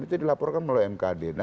itu dilaporkan melalui mkd